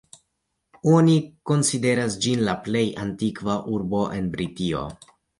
Oni konsideras ĝin la plej antikva urbo en Britio.